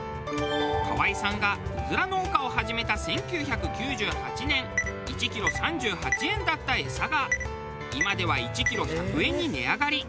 河合さんがうずら農家を始めた１９９８年１キロ３８円だった餌が今では１キロ１００円に値上がり。